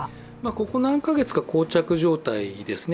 ここ何か月かこう着状態ですね。